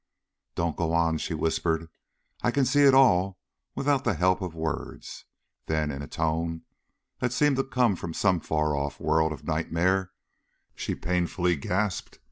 "Don't go on," she whispered. "I can see it all without the help of words." Then, in a tone that seemed to come from some far off world of nightmare, she painfully gasped, "Is he dead?"